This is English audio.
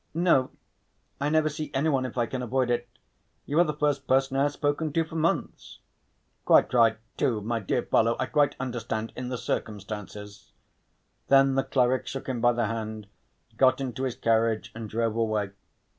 "No I never see anyone if I can avoid it. You are the first person I have spoken to for months." "Quite right, too, my dear fellow. I quite understand in the circumstances." Then the cleric shook him by the hand, got into his carriage and drove away.